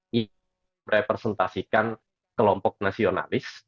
yang merepresentasikan kelompok nasionalis